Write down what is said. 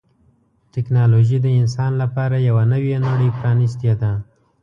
ټکنالوجي د انسان لپاره یوه نوې نړۍ پرانستې ده.